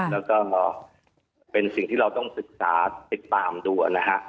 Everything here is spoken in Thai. แล้วก็เป็นสิ่งที่เราต้องศึกษาติดตามดูนะฮะ